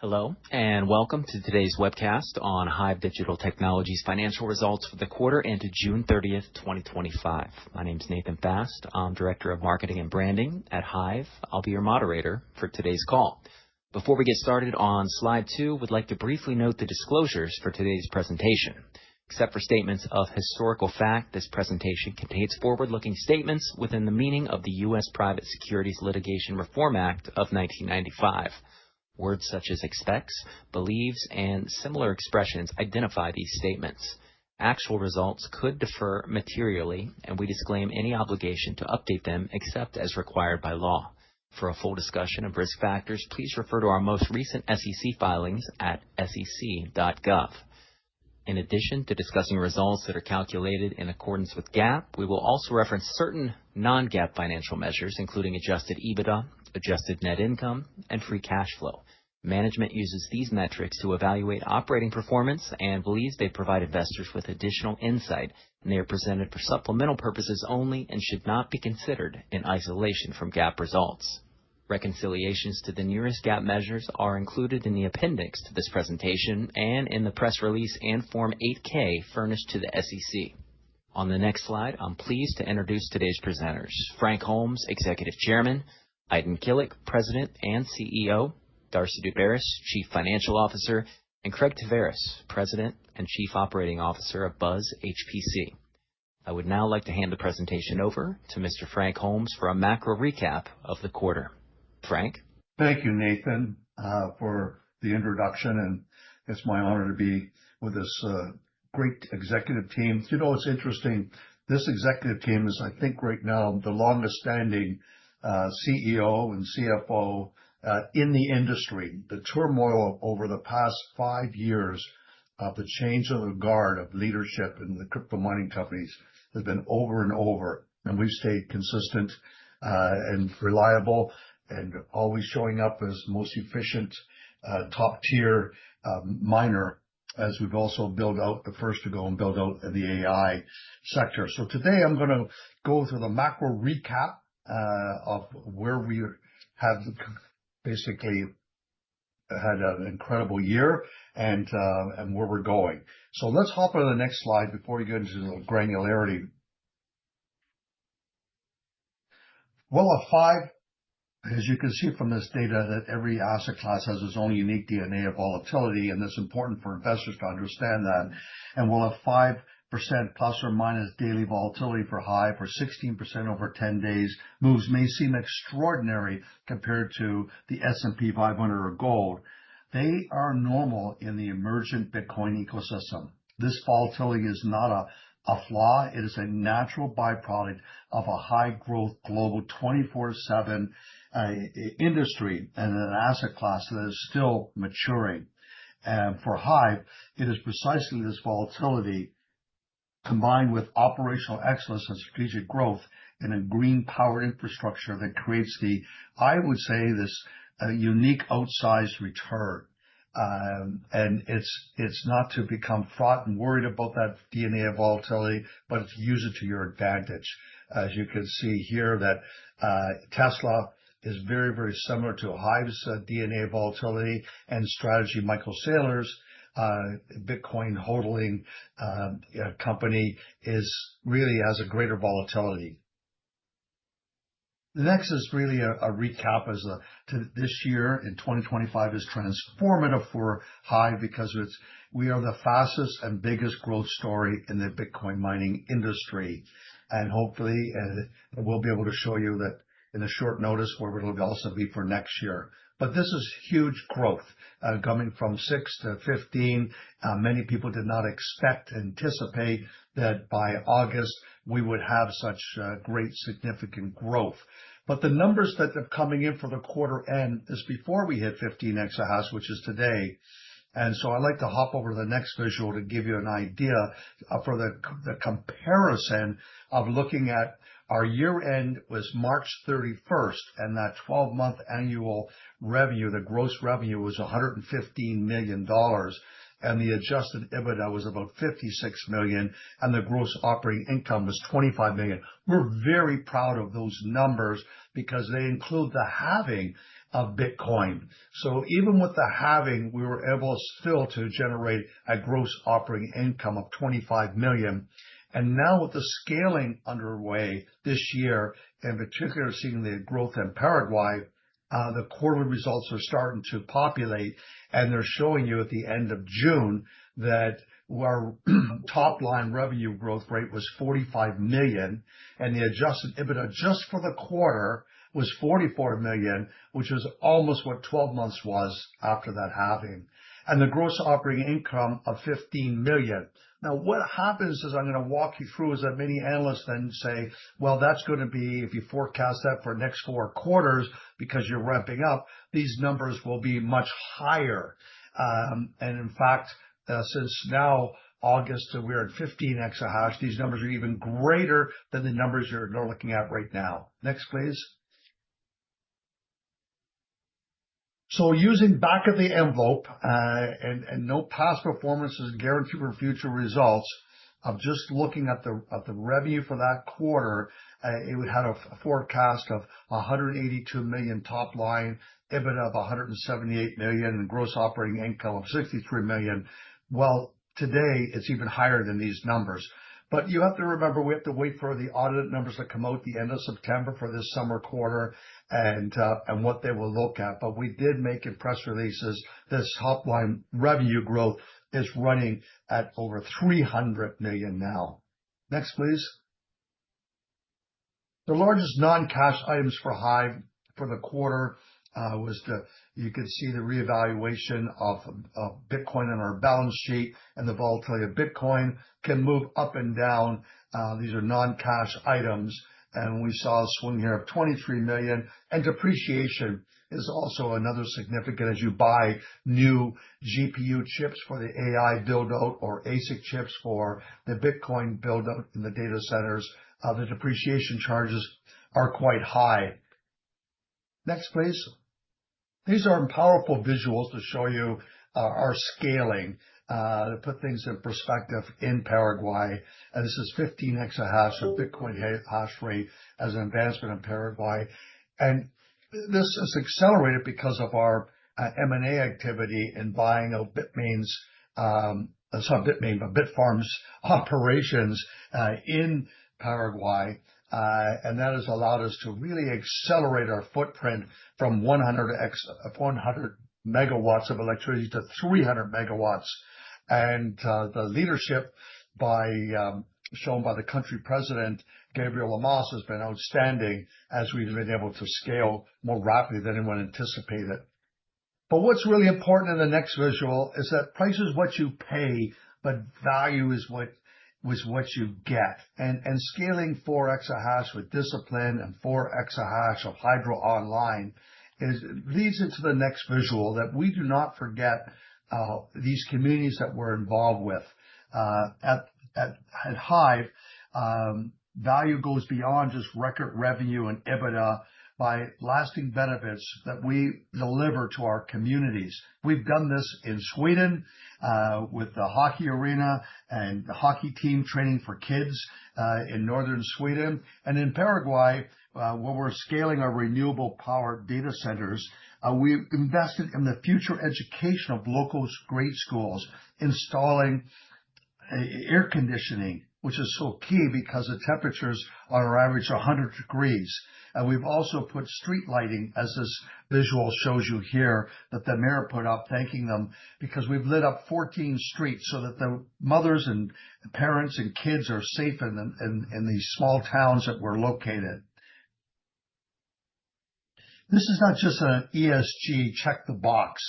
Hello, and welcome to today's webcast on HIVE Digital Technologies' financial results for the quarter end of June 30th, 2025. My name's Nathan Fast. I'm Director of Marketing and Branding at HIVE. I'll be your moderator for today's call. Before we get started, on slide two, we'd like to briefly note the disclosures for today's presentation. Except for statements of historical fact, this presentation contains forward-looking statements within the meaning of the U.S. Private Securities Litigation Reform Act of 1995. Words such as expects, believes, and similar expressions identify these statements. Actual results could differ materially, and we disclaim any obligation to update them except as required by law. For a full discussion of risk factors, please refer to our most recent SEC filings at sec.gov. In addition to discussing results that are calculated in accordance with GAAP, we will also reference certain non-GAAP financial measures, including adjusted EBITDA, adjusted net income, and free cash flow. Management uses these metrics to evaluate operating performance and believes they provide investors with additional insight. They are presented for supplemental purposes only and should not be considered in isolation from GAAP results. Reconciliations to the nearest GAAP measures are included in the appendix to this presentation and in the press release and Form 8-K furnished to the SEC. On the next slide, I'm pleased to introduce today's presenters: Frank Holmes, Executive Chairman, Aydin Kilic, President and CEO, Darcy Daubaras, Chief Financial Officer, and Craig Tavares, President and Chief Operating Officer of BUZZ HPC. I would now like to hand the presentation over to Mr. Frank Holmes for a macro recap of the quarter. Frank. Thank you, Nathan, for the introduction, and it's my honor to be with this great executive team. You know, it's interesting. This executive team is, I think, right now the longest-standing CEO and CFO in the industry. The turmoil over the past five years of the changing of the guard of leadership in the crypto mining companies has been over and over, and we've stayed consistent and reliable and always showing up as most efficient, top-tier miner, as we've also built out the first to go and build out the AI sector, so today, I'm going to go through the macro recap of where we have basically had an incredible year and where we're going, so let's hop on the next slide before we get into the granularity. We'll have five, as you can see from this data, that every asset class has its own unique DNA of volatility, and that's important for investors to understand that, and we'll have 5%± daily volatility for HIVE, for 16% over 10 days. Moves may seem extraordinary compared to the S&P 500 or gold. They are normal in the emergent Bitcoin ecosystem. This volatility is not a flaw. It is a natural byproduct of a high-growth global 24/7 industry and an asset class that is still maturing. And for HIVE, it is precisely this volatility combined with operational excellence and strategic growth in a green-powered infrastructure that creates the, I would say, this unique outsized return, and it's not to become fraught and worried about that DNA of volatility, but to use it to your advantage. As you can see here, Tesla is very, very similar to HIVE's DNA of volatility and strategy. Michael Saylor's Bitcoin holding company really has a greater volatility. The next is really a recap as to this year. And 2025 is transformative for HIVE because we are the fastest and biggest growth story in the Bitcoin mining industry. Hopefully, we'll be able to show you that in a short notice where it'll also be for next year. This is huge growth coming from 6 EH/s to 15 EH/s. Many people did not expect to anticipate that by August, we would have such great significant growth. The numbers that are coming in for the quarter end is before we hit 15 EH/s, which is today. I'd like to hop over to the next visual to give you an idea for the comparison of looking at our year-end was March 31st, and that 12-month annual revenue, the gross revenue was $115 million, and the adjusted EBITDA was about $56 million, and the gross operating income was $25 million. We're very proud of those numbers because they include the halving of Bitcoin. Even with the halving, we were able still to generate a gross operating income of $25 million. Now with the scaling underway this year, in particular seeing the growth in Paraguay, the quarterly results are starting to populate. They're showing you at the end of June that our top-line revenue growth rate was $45 million, and the adjusted EBITDA just for the quarter was $44 million, which was almost what 12 months was after that halving, and the gross operating income of $15 million. Now, what happens is I'm going to walk you through is that many analysts then say, well, that's going to be, if you forecast that for next four quarters, because you're ramping up, these numbers will be much higher. And in fact, since now August, we're at 15 EH/s, these numbers are even greater than the numbers you're looking at right now. Next, please. Using back of the envelope and no past performance is guaranteed for future results, I'm just looking at the revenue for that quarter. It had a forecast of $182 million top line, EBITDA of $178 million, and gross operating income of $63 million. Today, it's even higher than these numbers. You have to remember, we have to wait for the audit numbers to come out the end of September for this summer quarter and what they will look at. We did make in press releases this top-line revenue growth is running at over $300 million now. Next, please. The largest non-cash items for HIVE for the quarter was the, you could see the revaluation of Bitcoin on our balance sheet and the volatility of Bitcoin can move up and down. These are non-cash items. And we saw a swing here of $23 million. Depreciation is also another significant issue as you buy new GPU chips for the AI build-out or ASIC chips for the Bitcoin build-out in the data centers. The depreciation charges are quite high. Next, please. These are powerful visuals to show you our scaling to put things in perspective in Paraguay. This is 15 EH/s of Bitcoin hash rate as an advancement in Paraguay. This is accelerated because of our M&A activity and buying of Bitmains, sorry, Bitmain, but Bitfarms operations in Paraguay. That has allowed us to really accelerate our footprint from 100 MW of electricity to 300 MW. The leadership shown by the Country President, Gabriel Llamas, has been outstanding as we've been able to scale more rapidly than anyone anticipated. What's really important in the next visual is that price is what you pay, but value is what you get. Scaling 4 EH/s with discipline and 4 EH of hydro online leads into the next visual that we do not forget these communities that we're involved with. At HIVE, value goes beyond just record revenue and EBITDA by lasting benefits that we deliver to our communities. We've done this in Sweden with the hockey arena and the hockey team training for kids in northern Sweden. In Paraguay, while we're scaling our renewable power data centers, we invested in the future education of local grade schools, installing air conditioning, which is so key because the temperatures on average are 100 degrees. We've also put street lighting, as this visual shows you here, that the mayor put up, thanking them because we've lit up 14 streets so that the mothers and parents and kids are safe in these small towns where we're located. This is not just an ESG check-the-box.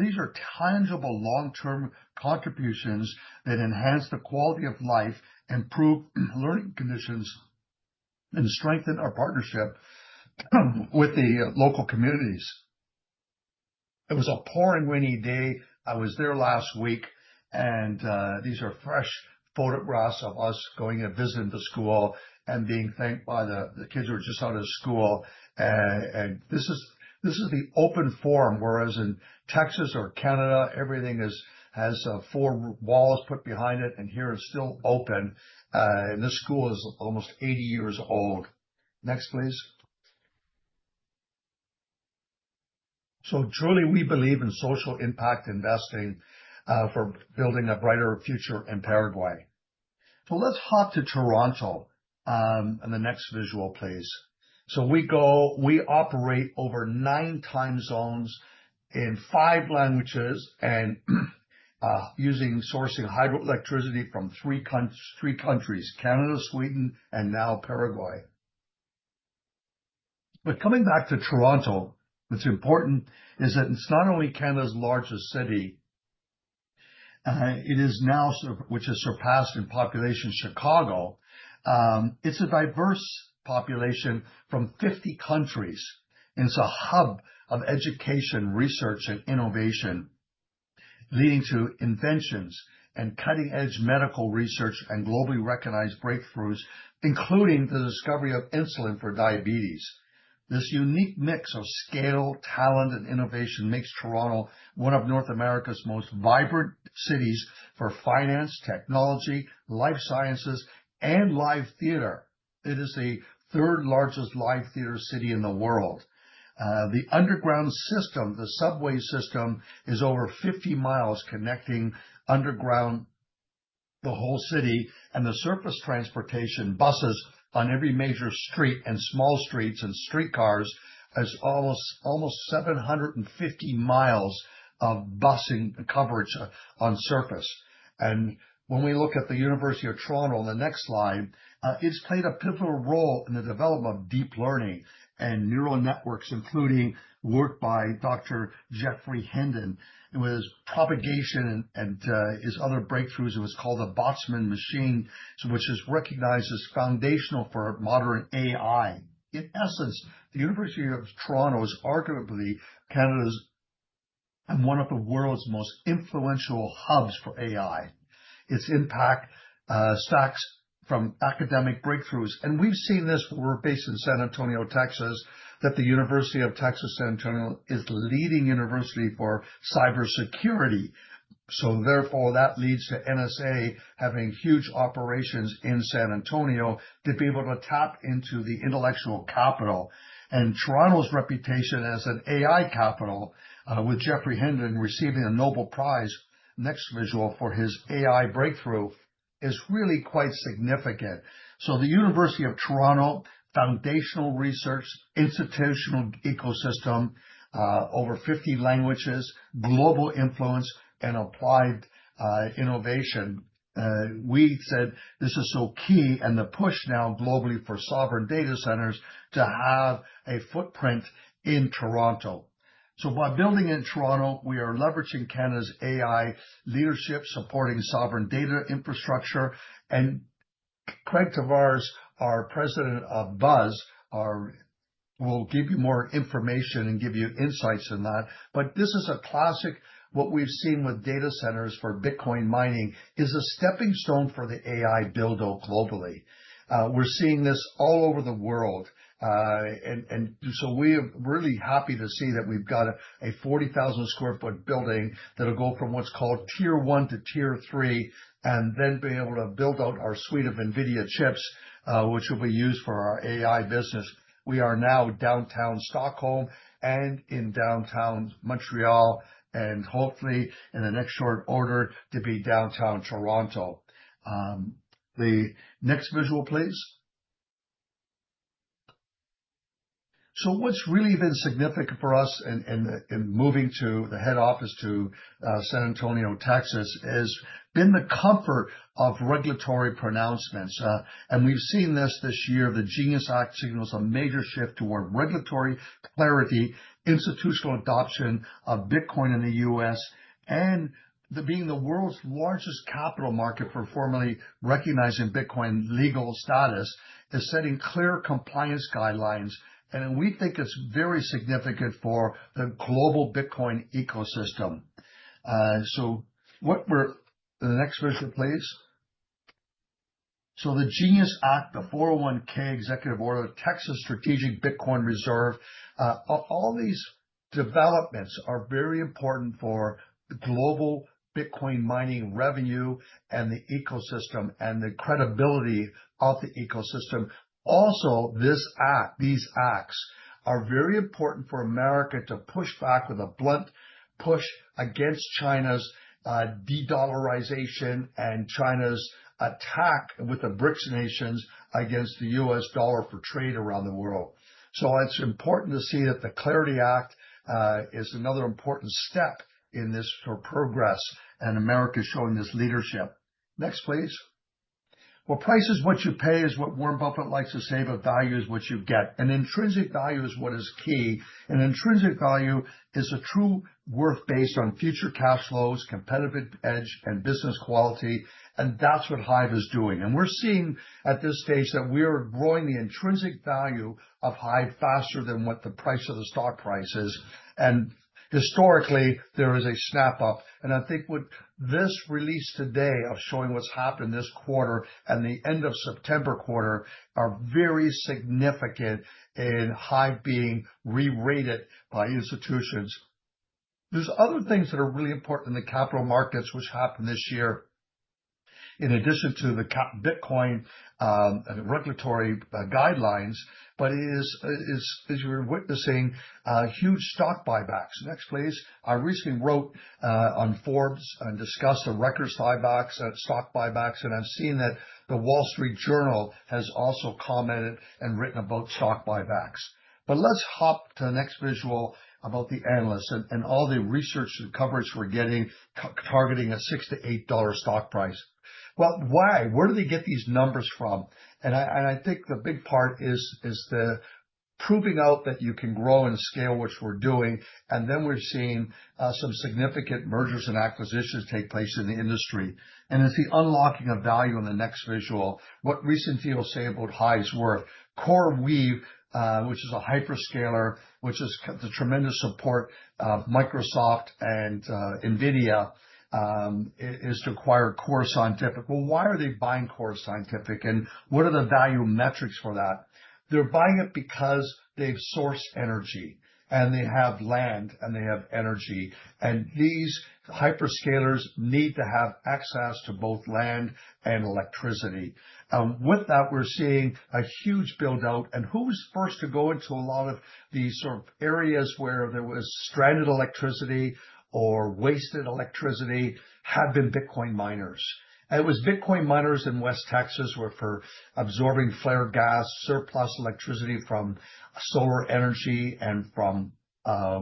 These are tangible long-term contributions that enhance the quality of life, improve learning conditions, and strengthen our partnership with the local communities. It was a pouring rainy day. I was there last week. And these are fresh photographs of us going and visiting the school and being thanked by the kids who are just out of school. And this is the open forum, whereas in Texas or Canada, everything has four walls put behind it, and here it's still open. And this school is almost 80 years old. Next, please. So truly, we believe in social impact investing for building a brighter future in Paraguay. So let's hop to Toronto in the next visual, please. So we operate over nine time zones in five languages and using sourcing hydroelectricity from three countries: Canada, Sweden, and now Paraguay. But coming back to Toronto, what's important is that it's not only Canada's largest city. It is now which has surpassed Chicago in population. It's a diverse population from 50 countries. It's a hub of education, research, and innovation, leading to inventions and cutting-edge medical research and globally recognized breakthroughs, including the discovery of insulin for diabetes. This unique mix of scale, talent, and innovation makes Toronto one of North America's most vibrant cities for finance, technology, life sciences, and live theater. It is the third largest live theater city in the world. The underground system, the subway system, is over 50 mi connecting underground the whole city and the surface transportation buses on every major street and small streets and streetcars. It's almost 750 mi of busing coverage on surface. And when we look at the University of Toronto on the next slide, it's played a pivotal role in the development of deep learning and neural networks, including work by Dr. Geoffrey Hinton with his backpropagation and his other breakthroughs. It was called the Boltzmann machine, which is recognized as foundational for modern AI. In essence, the University of Toronto is arguably Canada's and one of the world's most influential hubs for AI. Its impact stems from academic breakthroughs. And we've seen this where we're based in San Antonio, Texas, that the University of Texas at San Antonio is the leading university for cybersecurity. So therefore, that leads to NSA having huge operations in San Antonio to be able to tap into the intellectual capital. And Toronto's reputation as an AI capital, with Geoffrey Hinton receiving a Nobel Prize next visual for his AI breakthrough, is really quite significant. The University of Toronto foundational research, institutional ecosystem, over 50 languages, global influence, and applied innovation. We said this is so key and the push now globally for sovereign data centers to have a footprint in Toronto. By building in Toronto, we are leveraging Canada's AI leadership, supporting sovereign data infrastructure. Craig Tavares, our President of BUZZ, will give you more information and give you insights in that. This is a classic. What we've seen with data centers for Bitcoin mining is a stepping stone for the AI build-out globally. We're seeing this all over the world. We are really happy to see that we've got a 40,000 sq ft building that will go from what's called Tier 1 to Tier 3 and then be able to build out our suite of NVIDIA chips, which will be used for our AI business. We are now downtown Stockholm and in downtown Montreal and hopefully in the next short order to be downtown Toronto. The next visual, please. So what's really been significant for us in moving the head office to San Antonio, Texas has been the comfort of regulatory pronouncements. And we've seen this year. The GENIUS Act signals a major shift toward regulatory clarity, institutional adoption of Bitcoin in the U.S., and being the world's largest capital market for formally recognizing Bitcoin legal status is setting clear compliance guidelines. And we think it's very significant for the global Bitcoin ecosystem. So, what's in the next visual, please. So the GENIUS Act, the 401(k) executive order, Texas Strategic Bitcoin Reserve, all these developments are very important for global Bitcoin mining revenue and the ecosystem and the credibility of the ecosystem. Also, these acts are very important for America to push back with a blunt push against China's de-dollarization and China's attack with the BRICS nations against the U.S. dollar for trade around the world, so it's important to see that the Clarity Act is another important step in this for progress, and America is showing this leadership. Next, please. Well, price is what you pay is what Warren Buffett likes to say, but value is what you get. And intrinsic value is what is key. And intrinsic value is a true worth based on future cash flows, competitive edge, and business quality. And that's what HIVE is doing. And we're seeing at this stage that we are growing the intrinsic value of HIVE faster than what the price of the stock price is. And historically, there is a snap up. I think what this release today of showing what's happened this quarter and the end of September quarter are very significant in HIVE being re-rated by institutions. There's other things that are really important in the capital markets, which happened this year in addition to the Bitcoin regulatory guidelines. It is, as you're witnessing, huge stock buybacks. Next, please. I recently wrote on Forbes and discussed the records buybacks and stock buybacks. I've seen that the Wall Street Journal has also commented and written about stock buybacks. Let's hop to the next visual about the analysts and all the research and coverage we're getting targeting a $6-$8 stock price. Why? Where do they get these numbers from? I think the big part is the proving out that you can grow and scale, which we're doing. And then we're seeing some significant mergers and acquisitions take place in the industry. And it's the unlocking of value in the next visual. What recent deal say about HIVE's worth? CoreWeave, which is a hyperscaler, which has the tremendous support of Microsoft and NVIDIA, is to acquire Core Scientific. Well, why are they buying Core Scientific? And what are the value metrics for that? They're buying it because they've sourced energy and they have land and they have energy. And these hyperscalers need to have access to both land and electricity. With that, we're seeing a huge build-out. And who was first to go into a lot of these sort of areas where there was stranded electricity or wasted electricity had been Bitcoin miners. It was Bitcoin miners in West Texas who were absorbing flare gas, surplus electricity from solar energy and from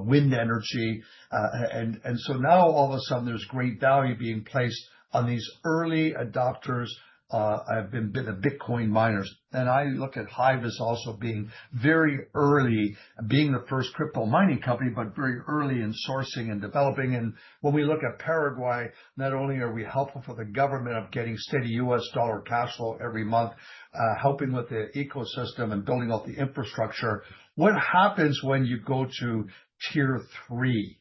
wind energy. And so now all of a sudden, there's great value being placed on these early adopters have been the Bitcoin miners. And I look at HIVE as also being very early, being the first crypto mining company, but very early in sourcing and developing. And when we look at Paraguay, not only are we helpful for the government of getting steady U.S. dollar cash flow every month, helping with the ecosystem and building out the infrastructure. What happens when you go to Tier 3?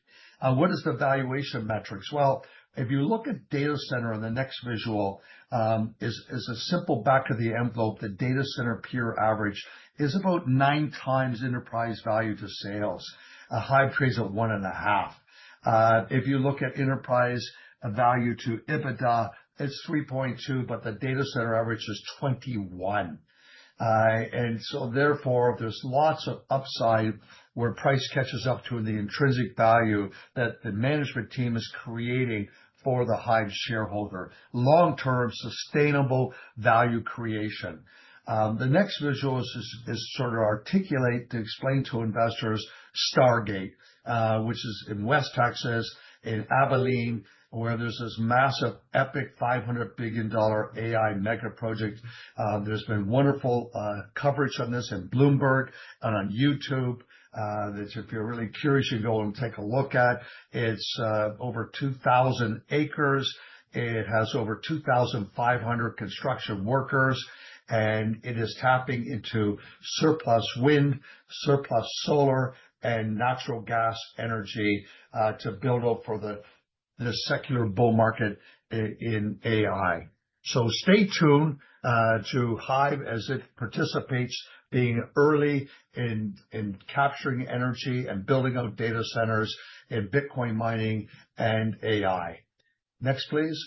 What is the valuation metrics? Well, if you look at data center on the next visual, it's a simple back of the envelope. The data center peer average is about 9x enterprise value to sales. HIVE trades at 1.5x. If you look at enterprise value to EBITDA, it's 3.2x, but the data center average is 21x. And so therefore, there's lots of upside where price catches up to the intrinsic value that the management team is creating for the HIVE shareholder. Long-term sustainable value creation. The next visual is sort of articulate to explain to investors Stargate, which is in West Texas in Abilene, where there's this massive epic $500 billion AI mega project. There's been wonderful coverage on this in Bloomberg and on YouTube. If you're really curious, you can go and take a look at it. It's over 2,000 acres. It has over 2,500 construction workers. And it is tapping into surplus wind, surplus solar, and natural gas energy to build up for the secular bull market in AI. So stay tuned to HIVE as it participates being early in capturing energy and building out data centers in Bitcoin mining and AI. Next, please.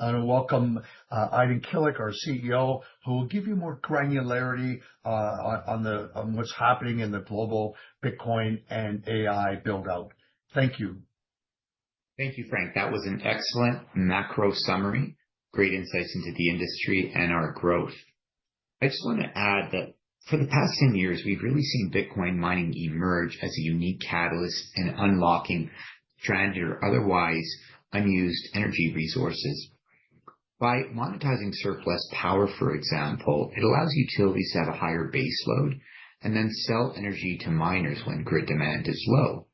Welcome Aydin Kilic, our CEO, who will give you more granularity on what's happening in the global Bitcoin and AI build-out. Thank you. Thank you, Frank. That was an excellent macro summary. Great insights into the industry and our growth. I just want to add that for the past 10 years, we've really seen Bitcoin mining emerge as a unique catalyst in unlocking stranded or otherwise unused energy resources. By monetizing surplus power, for example, it allows utilities to have a higher baseload and then sell energy to miners when grid demand is low.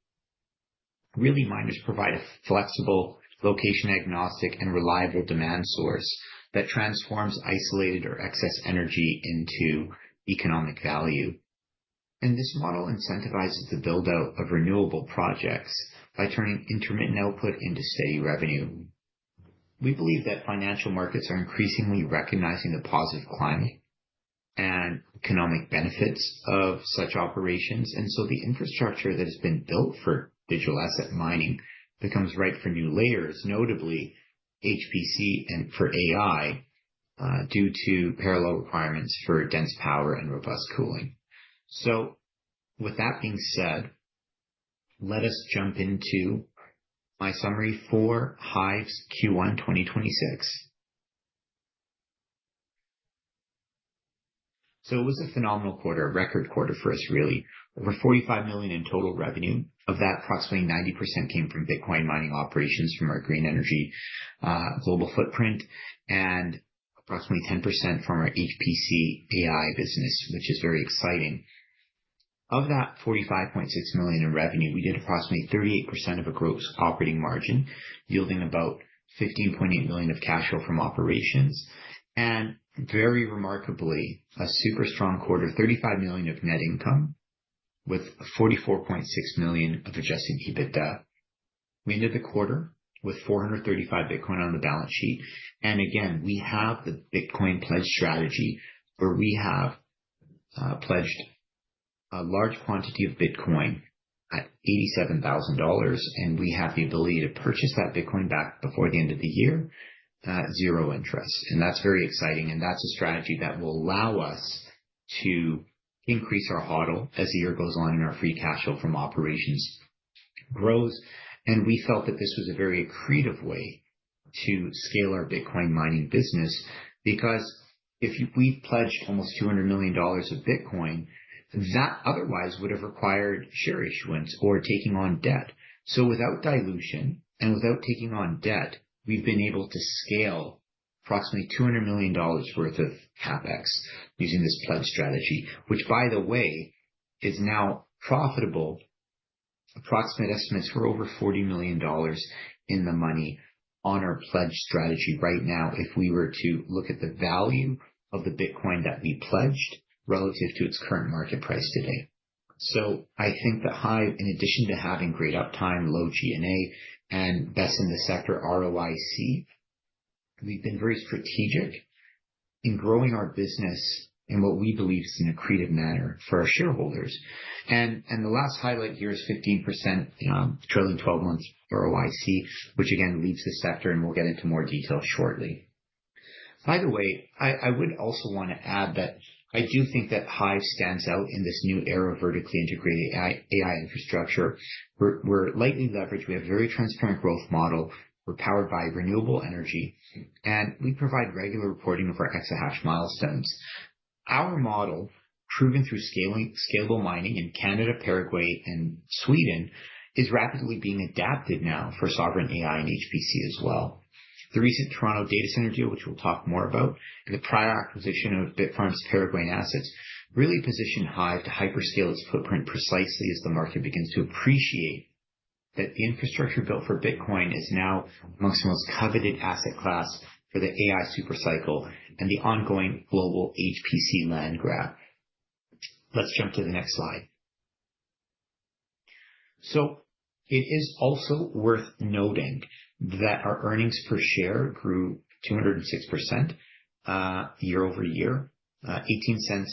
Really, miners provide a flexible, location-agnostic, and reliable demand source that transforms isolated or excess energy into economic value. And this model incentivizes the build-out of renewable projects by turning intermittent output into steady revenue. We believe that financial markets are increasingly recognizing the positive climate and economic benefits of such operations. And so the infrastructure that has been built for digital asset mining becomes ripe for new layers, notably HPC and for AI due to parallel requirements for dense power and robust cooling. So with that being said, let us jump into my summary for HIVE's Q1 2026. So it was a phenomenal quarter, a record quarter for us, really. Over $45 million in total revenue. Of that, approximately 90% came from Bitcoin mining operations from our green energy global footprint and approximately 10% from our HPC AI business, which is very exciting. Of that $45.6 million in revenue, we did approximately 38% of a gross operating margin, yielding about $15.8 million of cash flow from operations. And very remarkably, a super strong quarter, $35 million of net income with $44.6 million of adjusted EBITDA. We ended the quarter with 435 Bitcoin on the balance sheet. Again, we have the Bitcoin pledge strategy where we have pledged a large quantity of Bitcoin at $87,000. We have the ability to purchase that Bitcoin back before the end of the year at zero interest. That's very exciting. That's a strategy that will allow us to increase our HODL as the year goes on and our free cash flow from operations grows. We felt that this was a very creative way to scale our Bitcoin mining business because if we pledged almost $200 million of Bitcoin, that otherwise would have required share issuance or taking on debt. Without dilution and without taking on debt, we've been able to scale approximately $200 million worth of CapEx using this pledge strategy, which, by the way, is now profitable. Approximate estimates for over $40 million in the money on our pledge strategy right now if we were to look at the value of the Bitcoin that we pledged relative to its current market price today. So I think that HIVE, in addition to having great uptime, low G&A, and best in the sector ROIC, we've been very strategic in growing our business in what we believe is in a creative manner for our shareholders. And the last highlight here is 15% trailing 12 months ROIC, which again leads the sector, and we'll get into more detail shortly. By the way, I would also want to add that I do think that HIVE stands out in this new era of vertically integrated AI infrastructure. We're lightly leveraged. We have a very transparent growth model. We're powered by renewable energy. And we provide regular reporting of our exahash milestones. Our model, proven through scalable mining in Canada, Paraguay, and Sweden, is rapidly being adapted now for sovereign AI and HPC as well. The recent Toronto data center deal, which we'll talk more about, and the prior acquisition of Bitfarms' Paraguayan assets really positioned HIVE to hyperscale its footprint precisely as the market begins to appreciate that the infrastructure built for Bitcoin is now amongst the most coveted asset class for the AI supercycle and the ongoing global HPC land grab. Let's jump to the next slide. So it is also worth noting that our earnings per share grew 206% year-over-year, $0.18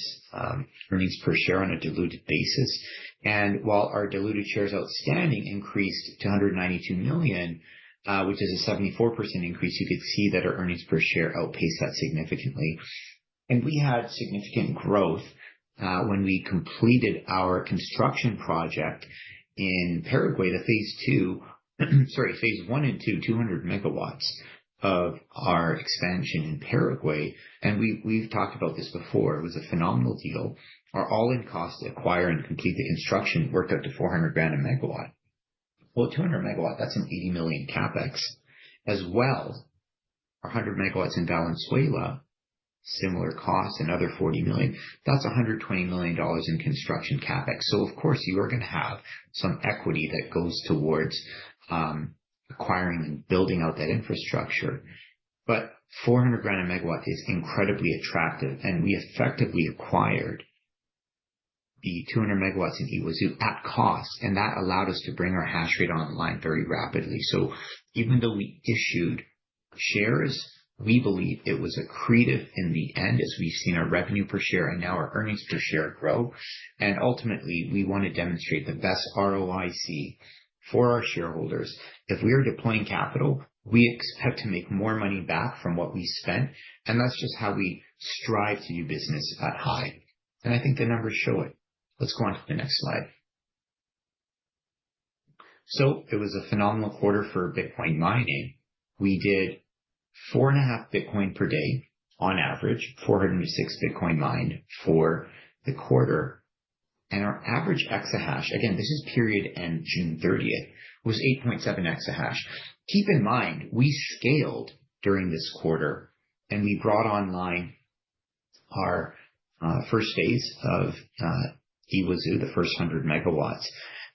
earnings per share on a diluted basis. And while our diluted shares outstanding increased to 192 million, which is a 74% increase, you could see that our earnings per share outpaced that significantly. We had significant growth when we completed our construction project in Paraguay, the phase II, sorry, phase I and II, 200 MW of our expansion in Paraguay. We've talked about this before. It was a phenomenal deal. Our all-in cost to acquire and complete the construction worked up to $400,000 a megawatt. 200 MW, that's $80 million CapEx. As well, our 100 MW in Valenzuela, similar cost and other $40 million, that's $120 million in construction CapEx. Of course, you are going to have some equity that goes towards acquiring and building out that infrastructure. $400,000 a megawatt is incredibly attractive. We effectively acquired the 200 MW in Yguazú at cost. That allowed us to bring our hash rate online very rapidly. Even though we issued shares, we believe it was great in the end as we've seen our revenue per share and now our earnings per share grow. And ultimately, we want to demonstrate the best ROIC for our shareholders. If we are deploying capital, we expect to make more money back from what we spent. And that's just how we strive to do business at HIVE. And I think the numbers show it. Let's go on to the next slide. It was a phenomenal quarter for Bitcoin mining. We did 4.5 Bitcoin per day on average, 406 Bitcoin mined for the quarter. And our average exahash, again, this is period end June 30th, was 8.7 EH/s. Keep in mind, we scaled during this quarter and we brought online our first phase of Yguazú, the first 100 MW.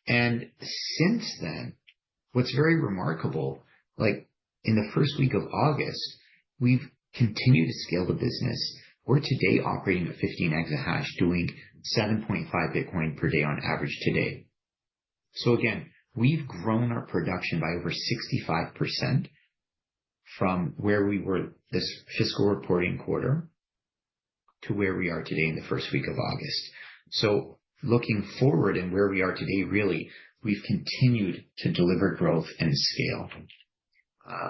And since then, what's very remarkable, like in the first week of August, we've continued to scale the business. We're today operating at 15 EH/s, doing 7.5 Bitcoin per day on average today. So again, we've grown our production by over 65% from where we were this fiscal reporting quarter to where we are today in the first week of August. So looking forward and where we are today, really, we've continued to deliver growth and scale.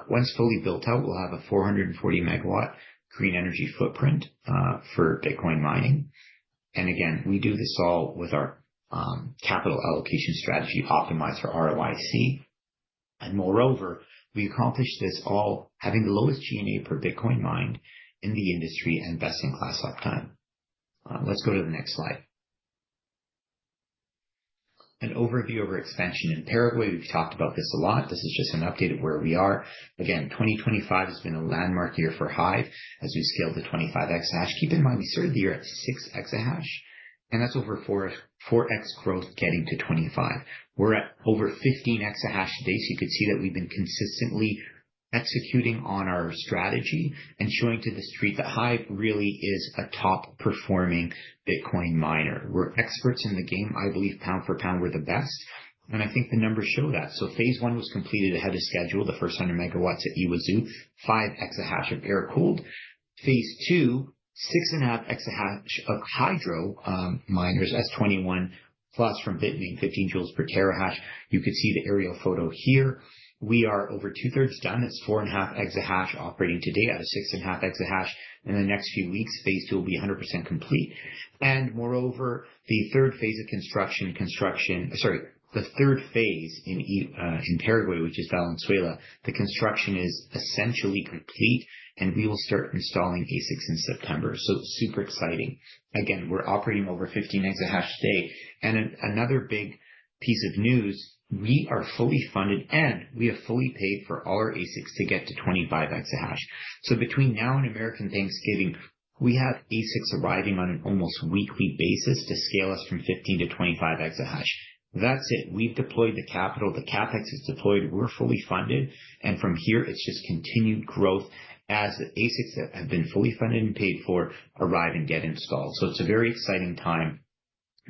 Once fully built out, we'll have a 440 MW green energy footprint for Bitcoin mining. And again, we do this all with our capital allocation strategy optimized for ROIC. And moreover, we accomplish this all having the lowest G&A per Bitcoin mined in the industry and best-in-class uptime. Let's go to the next slide. An overview of our expansion in Paraguay. We've talked about this a lot. This is just an update of where we are. Again, 2025 has been a landmark year for HIVE as we scaled to 25 EH/s. Keep in mind, we started the year at 6 EH/s. That's over 4x growth getting to 25 EH/s. We're at over 15 EH/s today. You could see that we've been consistently executing on our strategy and showing to the street that HIVE really is a top-performing Bitcoin miner. We're experts in the game. I believe pound for pound we're the best. I think the numbers show that. Phase I was completed ahead of schedule, the first 100 MW at Yguazú, 5 EH/s of air cooled. Phase II, 6.5 EH/s of hydro miners, S21+ from Bitmain 15 J/TH. You could see the aerial photo here. We are over two-thirds done. It's 4.5 EH/s operating today out of 6.5 EH/s. In the next few weeks, phase II will be 100% complete. And moreover, the third phase of construction, sorry, the third phase in Paraguay, which is Valenzuela, the construction is essentially complete. And we will start installing ASICs in September. So super exciting. Again, we're operating over 15 EH/s today. And another big piece of news, we are fully funded and we have fully paid for all our ASICs to get to 25 EH/s. So between now and American Thanksgiving, we have ASICs arriving on an almost weekly basis to scale us from 15 EH/s to 25 EH/s. That's it. We've deployed the capital. The CapEx is deployed. We're fully funded. And from here, it's just continued growth as the ASICs that have been fully funded and paid for arrive and get installed. So it's a very exciting time.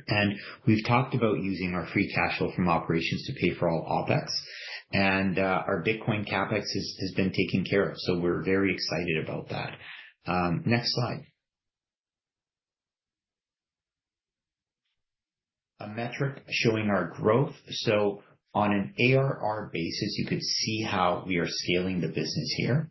And we've talked about using our free cash flow from operations to pay for all OpEx. And our Bitcoin CapEx has been taken care of. So we're very excited about that. Next slide. A metric showing our growth. So on an ARR basis, you could see how we are scaling the business here.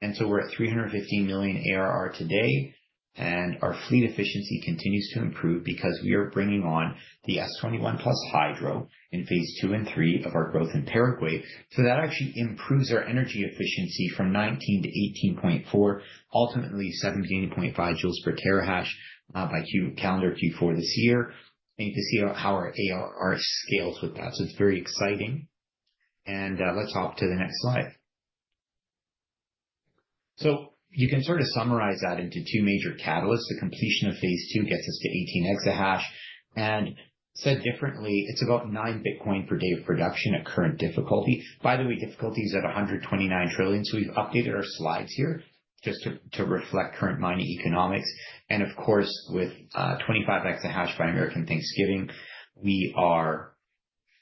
And so we're at $315 million ARR today. And our fleet efficiency continues to improve because we are bringing on the S21+ hydro in phase II and III of our growth in Paraguay. So that actually improves our energy efficiency from 19 J/TH to 18.4 J/TH, ultimately 17.5 J/TH by calendar Q4 this year. And you can see how our ARR scales with that. So it's very exciting. And let's hop to the next slide. So you can sort of summarize that into two major catalysts. The completion of phase II gets us to 18 EH/s. Said differently, it's about 9 Bitcoin per day of production at current difficulty. By the way, difficulty is at 129 trillion. We've updated our slides here just to reflect current mining economics. Of course, with 25 EH/s by American Thanksgiving, we are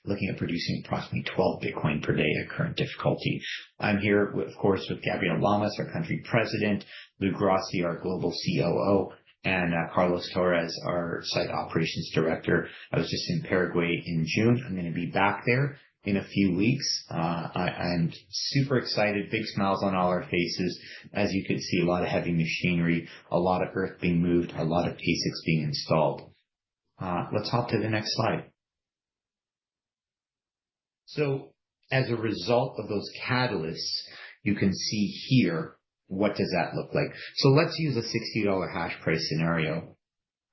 looking at producing approximately 12 Bitcoin per day at current difficulty. I'm here, of course, with Gabriel Llamas, our Country President, Luke Rossy, our global COO, and Carlos Torres, our Site Operations Director. I was just in Paraguay in June. I'm going to be back there in a few weeks. I'm super excited. Big smiles on all our faces. As you could see, a lot of heavy machinery, a lot of earth being moved, a lot of ASICs being installed. Let's hop to the next slide. As a result of those catalysts, you can see here, what does that look like? Let's use a $60 hash price scenario.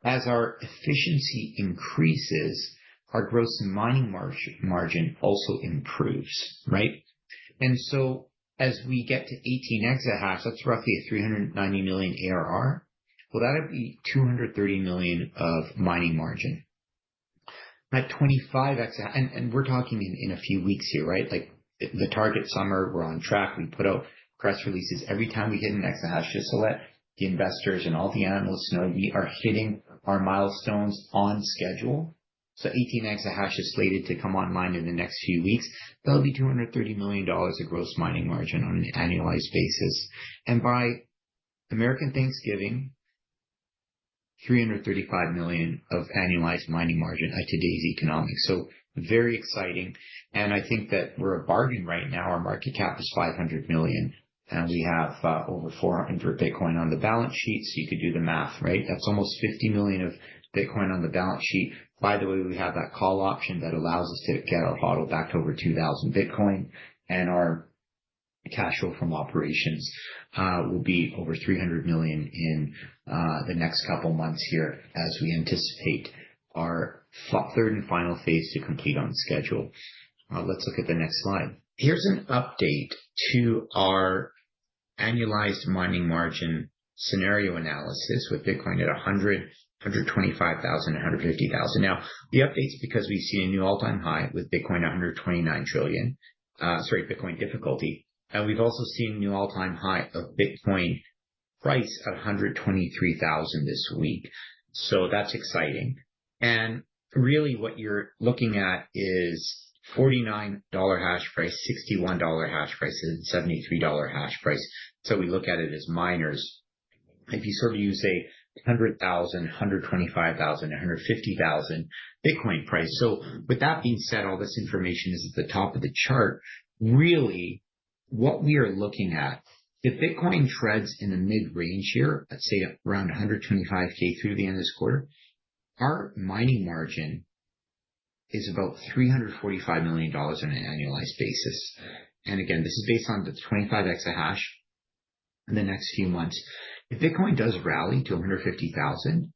As our efficiency increases, our gross mining margin also improves, right? And so as we get to 18 EH/s, that's roughly a $390 million ARR. Well, that would be $230 million of mining margin. At 25 EH/s, and we're talking in a few weeks here, right? Like the target summer, we're on track. We put out press releases every time we hit an exahash just to let the investors and all the analysts know we are hitting our milestones on schedule. So 18 EH/s is slated to come online in the next few weeks. That'll be $230 million of gross mining margin on an annualized basis. And by American Thanksgiving, $335 million of annualized mining margin at today's economics. So very exciting. And I think that we're a bargain right now. Our market cap is $500 million. We have over 400 Bitcoin on the balance sheet. So you could do the math, right? That's almost $50 million of Bitcoin on the balance sheet. By the way, we have that call option that allows us to get our HODL back to over 2,000 Bitcoin. Our cash flow from operations will be over $300 million in the next couple of months here as we anticipate our third and final phase to complete on schedule. Let's look at the next slide. Here's an update to our annualized mining margin scenario analysis with Bitcoin at $100,000, $125,000, $150,000. Now, the update's because we've seen a new all-time high with Bitcoin at 129 trillion, sorry, Bitcoin difficulty. We've also seen a new all-time high of Bitcoin price at $123,000 this week. So that's exciting. Really what you're looking at is $49 hash price, $61 hash price, and $73 hash price. So we look at it as miners. If you sort of use a $100,000, $125,000, $150,000 Bitcoin price. So with that being said, all this information is at the top of the chart. Really, what we are looking at, the Bitcoin trades in the mid-range here, let's say around $125,000 through the end of this quarter, our mining margin is about $345 million on an annualized basis. And again, this is based on the 25 EH/s in the next few months. If Bitcoin does rally to $150,000,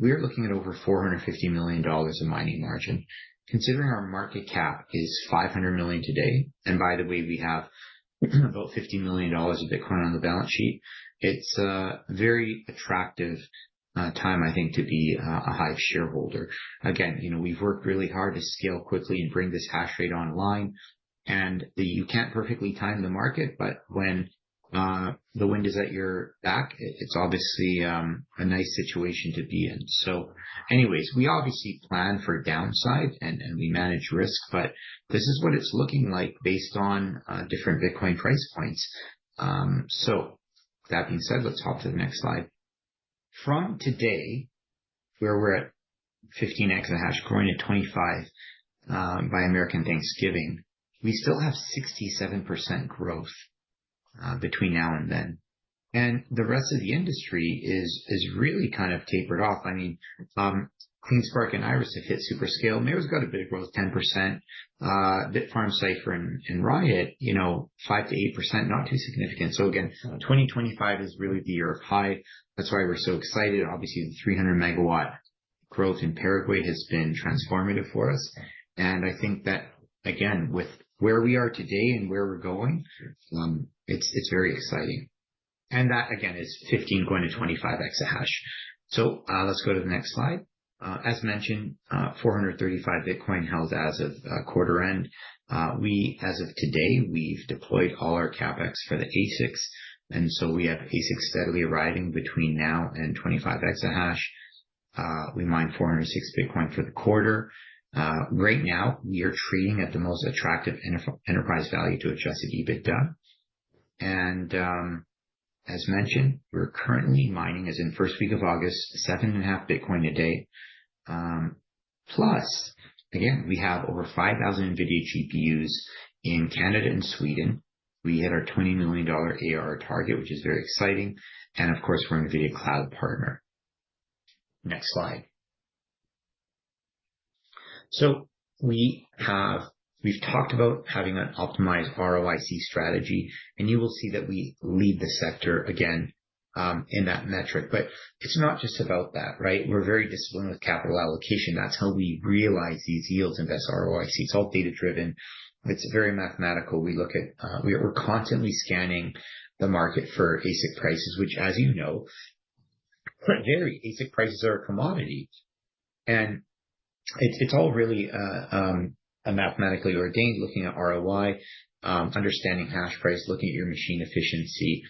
we are looking at over $450 million of mining margin. Considering our market cap is $500 million today, and by the way, we have about $50 million of Bitcoin on the balance sheet, it's a very attractive time, I think, to be a HIVE shareholder. Again, you know we've worked really hard to scale quickly and bring this hash rate online. You can't perfectly time the market, but when the wind is at your back, it's obviously a nice situation to be in. So anyways, we obviously plan for downside and we manage risk, but this is what it's looking like based on different Bitcoin price points. So that being said, let's hop to the next slide. From today, where we're at 15 EH/s, growing to 25 EH/s by American Thanksgiving, we still have 67% growth between now and then. The rest of the industry is really kind of tapered off. I mean, CleanSpark and Iris have hit super scale. Mara's got a bit of growth, 10%. Bitfarms, Cipher, and Riot, you know, 5%-8%, not too significant. So again, 2025 is really the year of HIVE. That's why we're so excited. Obviously, the 300 MW growth in Paraguay has been transformative for us. And I think that, again, with where we are today and where we're going, it's very exciting. And that, again, is 15 EH/s going to 25 EH/s. So let's go to the next slide. As mentioned, 435 Bitcoin held as of quarter end. We, as of today, we've deployed all our CapEx for the ASICs. And so we have ASICs steadily arriving between now and 25 EH/s. We mined 406 Bitcoin for the quarter. Right now, we are trading at the most attractive enterprise value to adjusted EBITDA. And as mentioned, we're currently mining, as in first week of August, 7.5 Bitcoin a day. Plus, again, we have over 5,000 NVIDIA GPUs in Canada and Sweden. We hit our $20 million ARR target, which is very exciting. And of course, we're NVIDIA Cloud Partner. Next slide. We've talked about having an optimized ROIC strategy. And you will see that we lead the sector, again, in that metric. But it's not just about that, right? We're very disciplined with capital allocation. That's how we realize these yields and best ROIC. It's all data-driven. It's very mathematical. We look at, we're constantly scanning the market for ASIC prices, which, as you know, vary. ASIC prices are a commodity. And it's all really mathematically ordained, looking at ROI, understanding hash price, looking at your machine efficiency,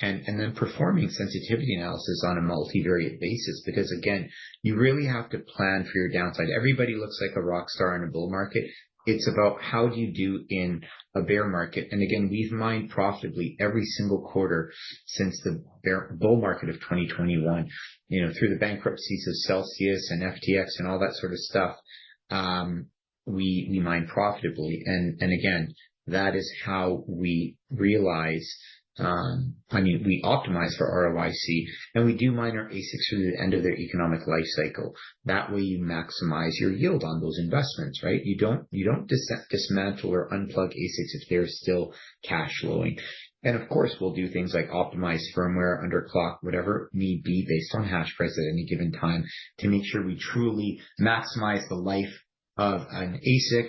and then performing sensitivity analysis on a multivariate basis. Because again, you really have to plan for your downside. Everybody looks like a rock star in a bull market. It's about how do you do in a bear market. Again, we've mined profitably every single quarter since the bull market of 2021, you know, through the bankruptcies of Celsius and FTX and all that sort of stuff. We mined profitably. Again, that is how we realize, I mean, we optimize for ROIC. And we do mine our ASICs through the end of their economic life cycle. That way, you maximize your yield on those investments, right? You don't dismantle or unplug ASICs if they're still cash flowing. Of course, we'll do things like optimize firmware, underclock, whatever need be based on hash price at any given time to make sure we truly maximize the life of an ASIC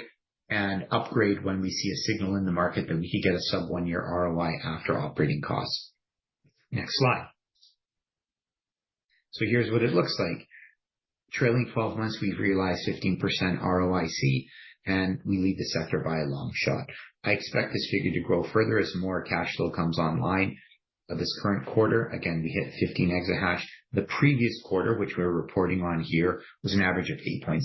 and upgrade when we see a signal in the market that we could get a sub-one-year ROI after operating costs. Next slide. Here's what it looks like. Trailing 12 months, we've realized 15% ROIC. We lead the sector by a long shot. I expect this figure to grow further as more cash flow comes online this current quarter. Again, we hit 15 EH/s. The previous quarter, which we're reporting on here, was an average of 8.7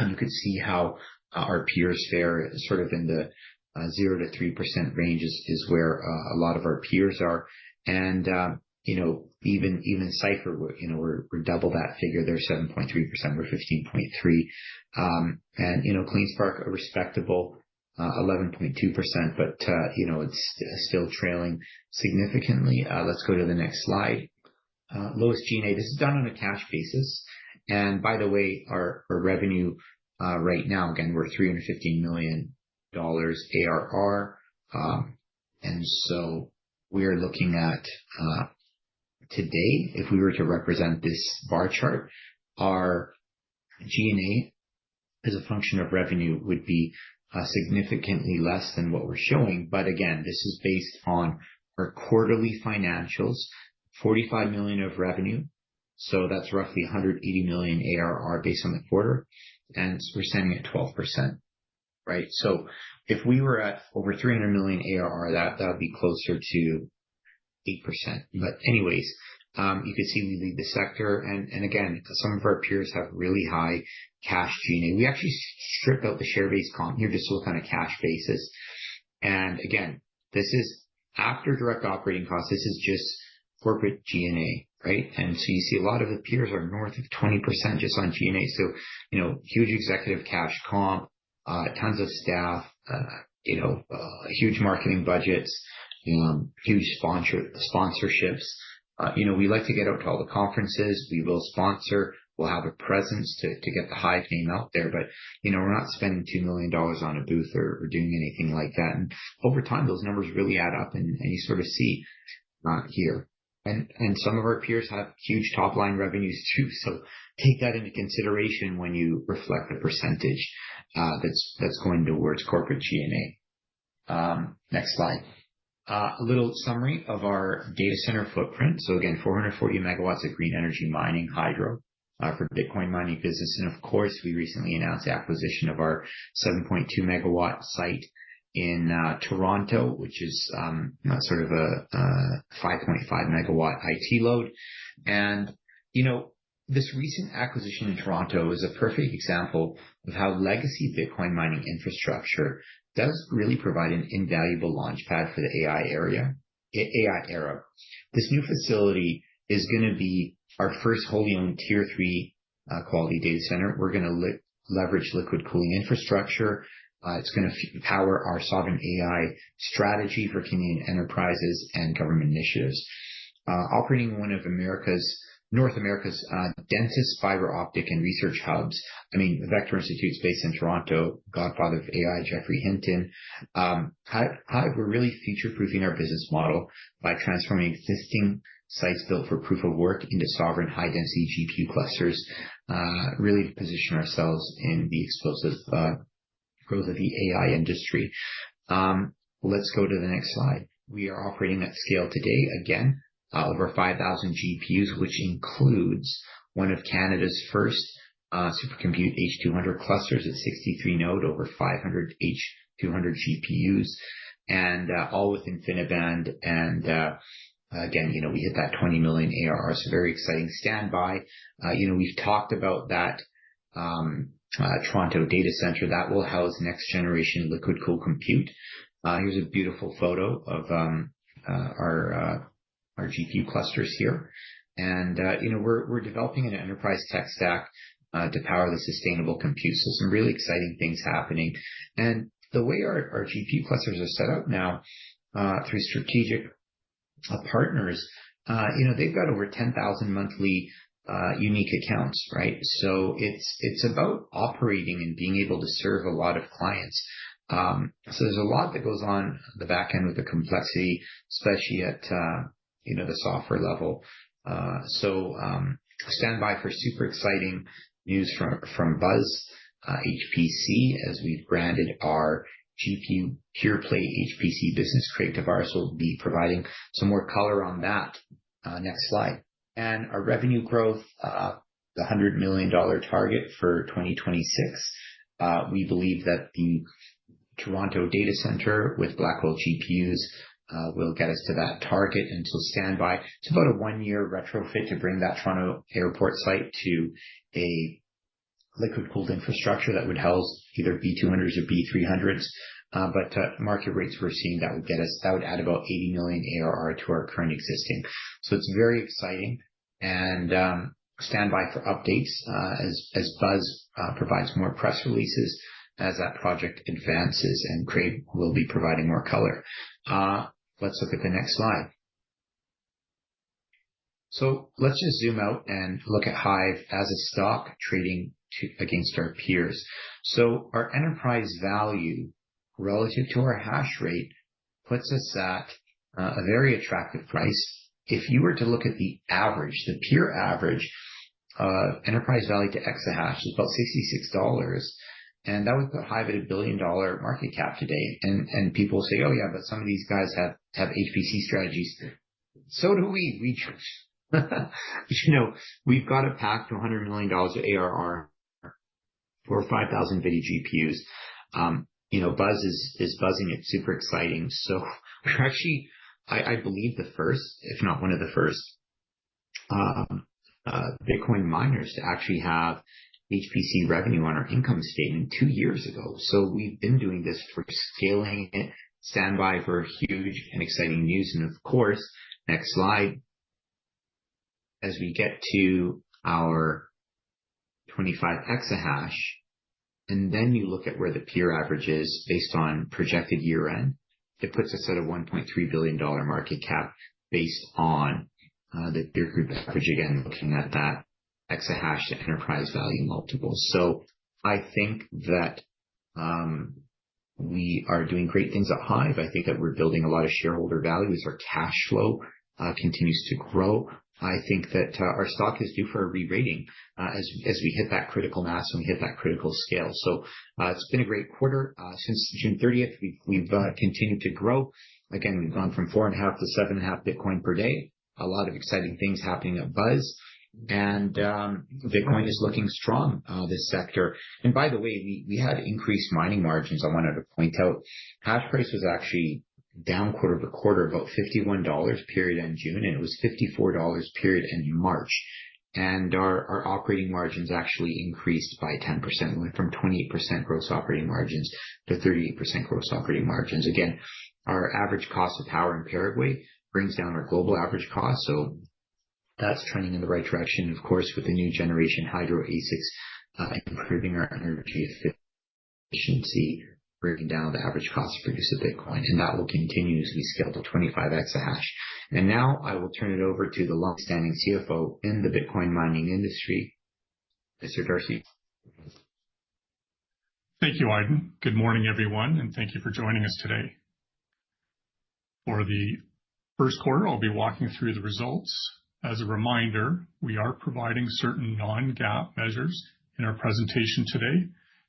EH/s. You could see how our peers there sort of in the 0%-3% range is where a lot of our peers are. You know, even Cipher, you know, we're double that figure there, 7.3%. We're 15.3%. You know, CleanSpark, a respectable 11.2%, but you know, it's still trailing significantly. Let's go to the next slide. Low SG&A, this is done on a cash basis. By the way, our revenue right now, again, we're $315 million ARR. And so we are looking at today. If we were to represent this bar chart, our G&A as a function of revenue would be significantly less than what we're showing. But again, this is based on our quarterly financials, $45 million of revenue. So that's roughly $180 million ARR based on the quarter. And we're standing at 12%, right? So if we were at over $300 million ARR, that would be closer to 8%. But anyways, you could see we lead the sector. And again, some of our peers have really high cash G&A. We actually strip out the share-based comp here just to look on a cash basis. And again, this is after direct operating costs. This is just corporate G&A, right? And so you see a lot of the peers are north of 20% just on G&A. So, you know, huge executive cash comp, tons of staff, you know, huge marketing budgets, huge sponsorships. You know, we like to get out to all the conferences. We will sponsor. We'll have a presence to get the HIVE name out there. But you know, we're not spending $2 million on a booth or doing anything like that. And over time, those numbers really add up. And you sort of see here. And some of our peers have huge top-line revenues too. So take that into consideration when you reflect the percentage that's going towards corporate G&A. Next slide. A little summary of our data center footprint. So again, 440 MW of green energy mining hydro for Bitcoin mining business. And of course, we recently announced the acquisition of our 7.2 MW site in Toronto, which is sort of a 5.5 MW IT load. You know, this recent acquisition in Toronto is a perfect example of how legacy Bitcoin mining infrastructure does really provide an invaluable launchpad for the AI era. This new facility is going to be our first wholly owned Tier 3 quality data center. We're going to leverage liquid cooling infrastructure. It's going to power our sovereign AI strategy for Canadian enterprises and government initiatives. Operating one of North America's densest, fiber optic, and research hubs. I mean, Vector Institute's based in Toronto. Godfather of AI, Geoffrey Hinton. HIVE, we're really future-proofing our business model by transforming existing sites built for proof of work into sovereign high-density GPU clusters, really to position ourselves in the explosive growth of the AI industry. Let's go to the next slide. We are operating at scale today, again, over 5,000 GPUs, which includes one of Canada's first supercomputer H200 clusters at 63 nodes, over 500 H200 GPUs, and all within InfiniBand. And again, you know, we hit that $20 million ARR. It's a very exciting story. You know, we've talked about that Toronto data center that will house next-generation liquid cool compute. Here's a beautiful photo of our GPU clusters here. And you know, we're developing an enterprise tech stack to power the sustainable compute. So some really exciting things happening. And the way our GPU clusters are set up now through strategic partners, you know, they've got over 10,000 monthly unique accounts, right? So it's about operating and being able to serve a lot of clients. So there's a lot that goes on the back end with the complexity, especially at, you know, the software level. So, standby for super exciting news from BUZZ HPC as we've branded our GPU pure-play HPC business creative arsenal. We'll be providing some more color on that. Next slide. And our revenue growth, the $100 million target for 2026. We believe that the Toronto data center with Blackwell GPUs will get us to that target. And so standby, it's about a one-year retrofit to bring that Toronto airport site to a liquid-cooled infrastructure that would house either B200s or B300s. But market rates we're seeing that would get us, that would add about $80 million ARR to our current existing. So it's very exciting. And standby for updates as BUZZ provides more press releases as that project advances and we'll be providing more color. Let's look at the next slide. So let's just zoom out and look at HIVE as a stock trading against our peers. Our enterprise value relative to our hash rate puts us at a very attractive price. If you were to look at the average, the pure average of enterprise value to exahash is about $66. And that would put HIVE at a $1 billion market cap today. And people say, "Oh yeah, but some of these guys have HPC strategies." So do we. You know, we've got a packed $100 million of ARR for 5,000 NVIDIA GPUs. You know, BUZZ is buzzing it. Super exciting. So we're actually, I believe, the first, if not one of the first Bitcoin miners to actually have HPC revenue on our income statement two years ago. So we've been doing this for scaling it. Standby for huge and exciting news. And of course, next slide. As we get to our 25 EH/s, and then you look at where the peer average is based on projected year-end, it puts us at a $1.3 billion market cap based on the peer group average, again, looking at that exahash to enterprise value multiple, so I think that we are doing great things at HIVE. I think that we're building a lot of shareholder value as our cash flow continues to grow. I think that our stock is due for a re-rating as we hit that critical mass and we hit that critical scale, so it's been a great quarter. Since June 30th, we've continued to grow. Again, we've gone from 4.5 Bitcoin to 7.5 Bitcoin per day. A lot of exciting things happening at BUZZ, and Bitcoin is looking strong in this sector, and by the way, we had increased mining margins. I wanted to point out hash price was actually down quarter to quarter, about $51 per day in June, and it was $54 per day in March. Our operating margins actually increased by 10%. We went from 28% gross operating margins to 38% gross operating margins. Again, our average cost of power in Paraguay brings down our global average cost. So that's trending in the right direction. Of course, with the new generation Hydro ASICs improving our energy efficiency, bringing down the average cost to produce a Bitcoin. That will continue as we scale to 25 EH/s. Now I will turn it over to the longstanding CFO in the Bitcoin mining industry, Mr. Darcy. Thank you, Aydin. Good morning, everyone. Thank you for joining us today. For the first quarter, I'll be walking through the results. As a reminder, we are providing certain non-GAAP measures in our presentation today.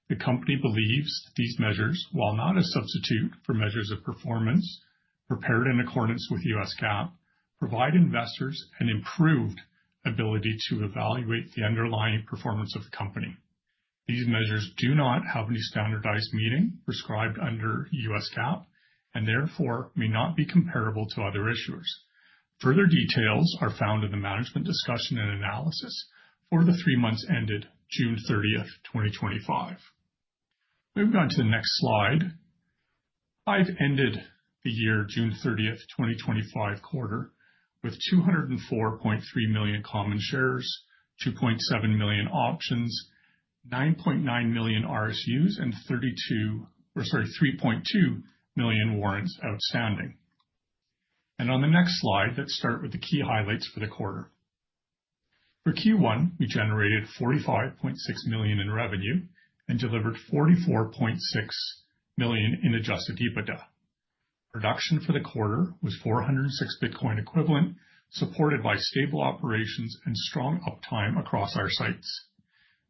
The company believes these measures, while not a substitute for measures of performance prepared in accordance with U.S. GAAP, provide investors an improved ability to evaluate the underlying performance of the company. These measures do not have any standardized meaning prescribed under U.S. GAAP and therefore may not be comparable to other issuers. Further details are found in the management discussion and analysis for the three months ended June 30th, 2025. Moving on to the next slide. HIVE ended the year June 30th, 2025 quarter with 204.3 million common shares, 2.7 million options, 9.9 million RSUs, and 32 million, or sorry, 3.2 million warrants outstanding, and on the next slide, let's start with the key highlights for the quarter. For Q1, we generated $45.6 million in revenue and delivered $44.6 million in adjusted EBITDA. Production for the quarter was 406 Bitcoin equivalent, supported by stable operations and strong uptime across our sites.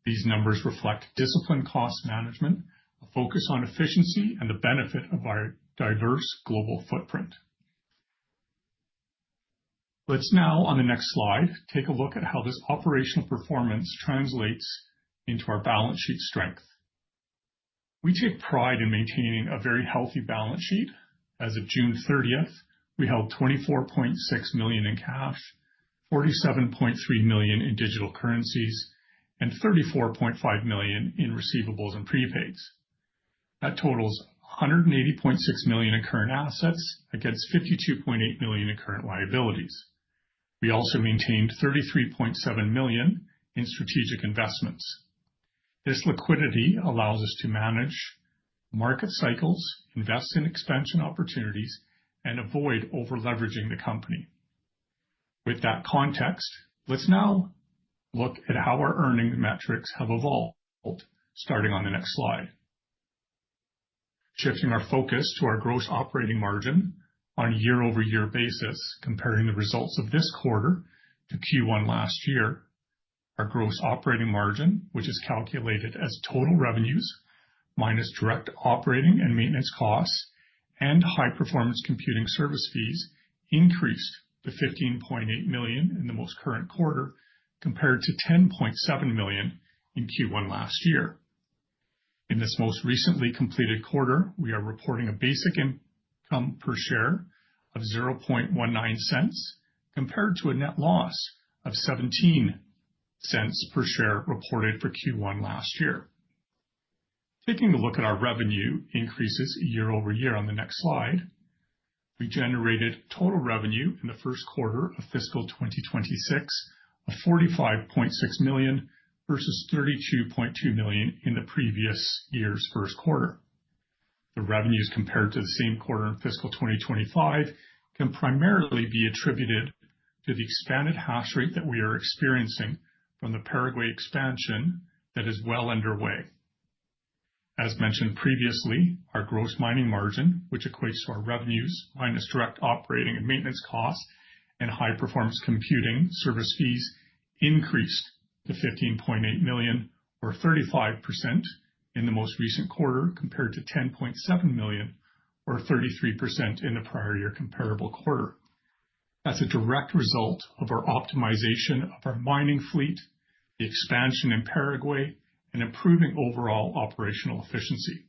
These numbers reflect disciplined cost management, a focus on efficiency, and the benefit of our diverse global footprint. Let's now, on the next slide, take a look at how this operational performance translates into our balance sheet strength. We take pride in maintaining a very healthy balance sheet. As of June 30th, we held $24.6 million in cash, $47.3 million in digital currencies, and $34.5 million in receivables and prepaids. That totals $180.6 million in current assets against $52.8 million in current liabilities. We also maintained $33.7 million in strategic investments. This liquidity allows us to manage market cycles, invest in expansion opportunities, and avoid over-leveraging the company. With that context, let's now look at how our earning metrics have evolved, starting on the next slide. Shifting our focus to our gross operating margin on a year-over-year basis, comparing the results of this quarter to Q1 last year, our gross operating margin, which is calculated as total revenues minus direct operating and maintenance costs and high-performance computing service fees, increased to $15.8 million in the most current quarter compared to $10.7 million in Q1 last year. In this most recently completed quarter, we are reporting a basic income per share of $0.0019 compared to a net loss of $0.17 per share reported for Q1 last year. Taking a look at our revenue increases year-over-year on the next slide, we generated total revenue in the first quarter of fiscal 2026 of $45.6 million versus $32.2 million in the previous year's first quarter. The revenues compared to the same quarter in fiscal 2025 can primarily be attributed to the expanded hash rate that we are experiencing from the Paraguay expansion that is well underway. As mentioned previously, our gross mining margin, which equates to our revenues minus direct operating and maintenance costs and high-performance computing service fees, increased to $15.8 million, or 35% in the most recent quarter compared to $10.7 million, or 33% in the prior year comparable quarter. That's a direct result of our optimization of our mining fleet, the expansion in Paraguay, and improving overall operational efficiency.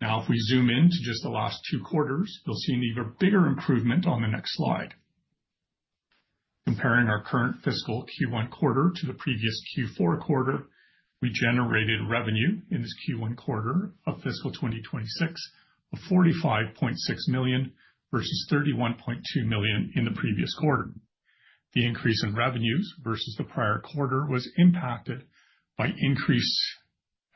Now, if we zoom in to just the last two quarters, you'll see an even bigger improvement on the next slide. Comparing our current fiscal Q1 quarter to the previous Q4 quarter, we generated revenue in this Q1 quarter of fiscal 2026 of $45.6 million versus $31.2 million in the previous quarter. The increase in revenues versus the prior quarter was impacted by increased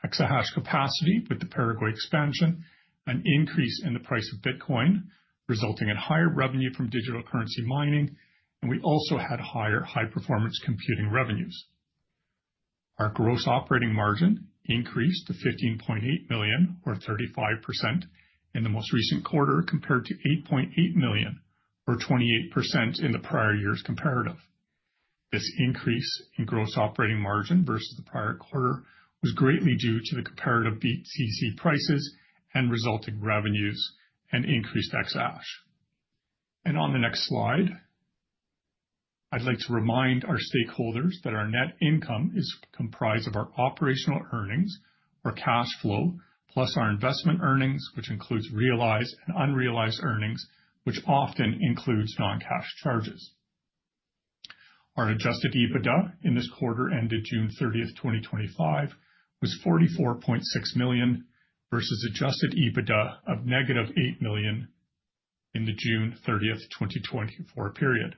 exahash capacity with the Paraguay expansion, an increase in the price of Bitcoin resulting in higher revenue from digital currency mining, and we also had higher high-performance computing revenues. Our gross operating margin increased to $15.8 million, or 35% in the most recent quarter compared to $8.8 million, or 28% in the prior year's comparative. This increase in gross operating margin versus the prior quarter was greatly due to the comparative BTC prices and resulting revenues and increased exahash. On the next slide, I'd like to remind our stakeholders that our net income is comprised of our operational earnings, our cash flow, plus our investment earnings, which includes realized and unrealized earnings, which often includes non-cash charges. Our adjusted EBITDA in this quarter ended June 30th, 2025, was $44.6 million versus adjusted EBITDA of -$8 million in the June 30th, 2024 period.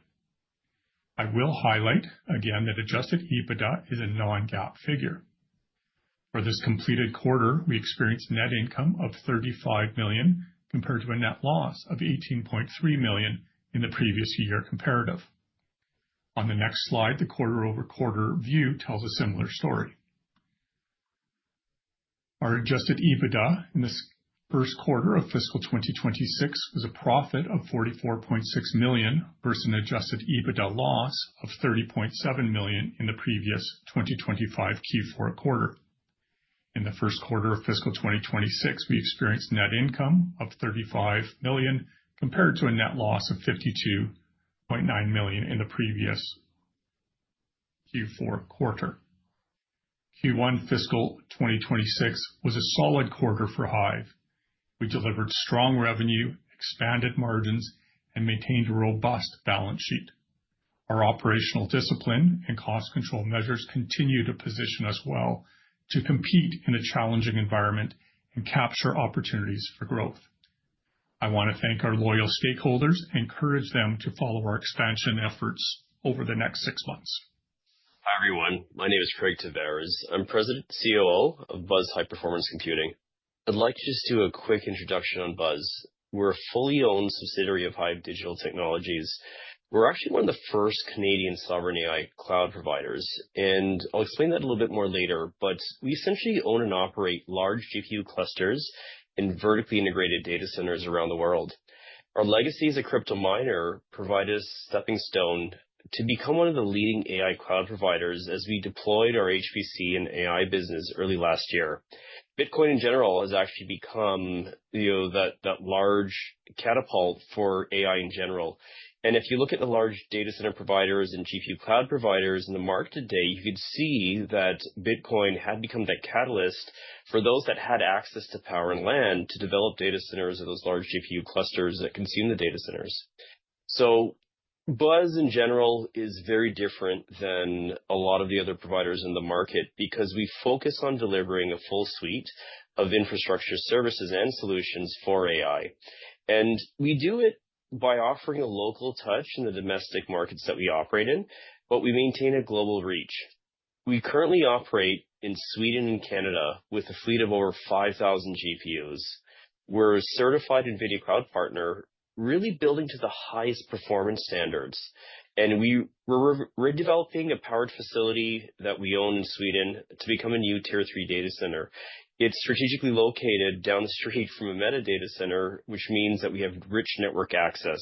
I will highlight again that adjusted EBITDA is a non-GAAP figure. For this completed quarter, we experienced net income of $35 million compared to a net loss of $18.3 million in the previous year comparative. On the next slide, the quarter-over-quarter view tells a similar story. Our adjusted EBITDA in this first quarter of fiscal 2026 was a profit of $44.6 million versus an adjusted EBITDA loss of $30.7 million in the previous 2025 Q4 quarter. In the first quarter of fiscal 2026, we experienced net income of $35 million compared to a net loss of $52.9 million in the previous Q4 quarter. Q1 fiscal 2026 was a solid quarter for HIVE. We delivered strong revenue, expanded margins, and maintained a robust balance sheet. Our operational discipline and cost control measures continue to position us well to compete in a challenging environment and capture opportunities for growth. I want to thank our loyal stakeholders and encourage them to follow our expansion efforts over the next six months. Hi, everyone. My name is Craig Tavares. I'm President and COO of BUZZ High Performance Computing. I'd like to just do a quick introduction on BUZZ. We're a fully owned subsidiary of HIVE Digital Technologies. We're actually one of the first Canadian sovereign AI cloud providers, and I'll explain that a little bit more later, but we essentially own and operate large GPU clusters and vertically integrated data centers around the world. Our legacy as a crypto miner provided us a stepping stone to become one of the leading AI cloud providers as we deployed our HPC and AI business early last year. Bitcoin, in general, has actually become, you know, that large catapult for AI in general. And if you look at the large data center providers and GPU cloud providers in the market today, you could see that Bitcoin had become that catalyst for those that had access to power and land to develop data centers or those large GPU clusters that consume the data centers. So BUZZ, in general, is very different than a lot of the other providers in the market because we focus on delivering a full suite of infrastructure services and solutions for AI. And we do it by offering a local touch in the domestic markets that we operate in, but we maintain a global reach. We currently operate in Sweden and Canada with a fleet of over 5,000 GPUs. We're a certified NVIDIA Cloud Partner, really building to the highest performance standards. We're redeveloping a powered facility that we own in Sweden to become a new Tier 3 data center. It's strategically located down the street from a Meta data center, which means that we have rich network access.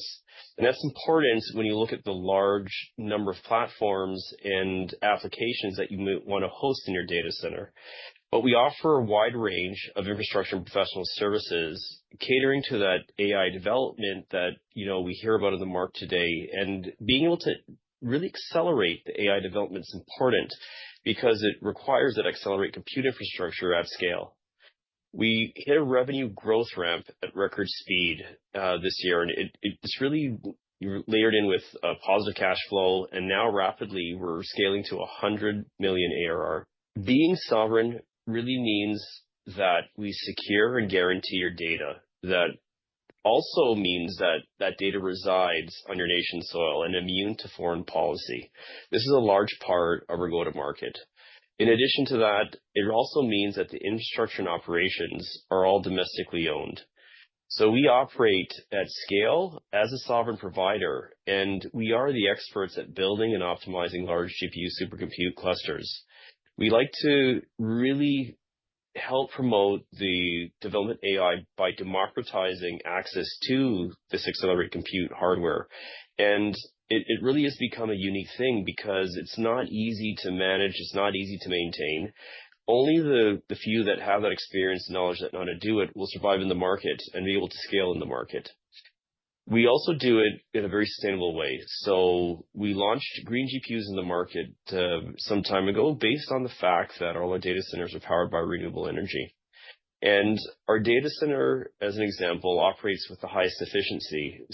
That's important when you look at the large number of platforms and applications that you might want to host in your data center. We offer a wide range of infrastructure and professional services catering to that AI development that, you know, we hear about in the market today. Being able to really accelerate the AI development is important because it requires that accelerated compute infrastructure at scale. We hit a revenue growth ramp at record speed this year. It's really layered in with a positive cash flow. Now rapidly, we're scaling to $100 million ARR. Being sovereign really means that we secure and guarantee your data. That also means that that data resides on your nation's soil and immune to foreign policy. This is a large part of our go-to-market. In addition to that, it also means that the infrastructure and operations are all domestically owned. So we operate at scale as a sovereign provider, and we are the experts at building and optimizing large GPU supercomputer clusters. We like to really help promote the development of AI by democratizing access to this accelerated compute hardware. And it really has become a unique thing because it's not easy to manage. It's not easy to maintain. Only the few that have that experience and knowledge that know how to do it will survive in the market and be able to scale in the market. We also do it in a very sustainable way. We launched green GPUs in the market some time ago based on the fact that all our data centers are powered by renewable energy. Our data center, as an example, operates with the highest efficiency.